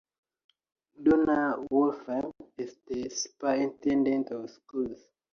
Donna Wolfram is the Superintendent of Schools.